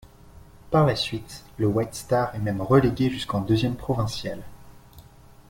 Par la suite, le White Star est même relégué jusqu'en deuxième provinciale.